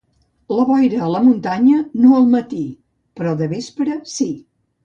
La boira a la muntanya, no al matí, però de vespre, sí.